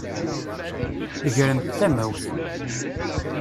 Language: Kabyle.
Gremt tamawt!